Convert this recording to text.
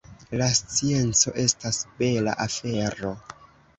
La scienco estas bela afero.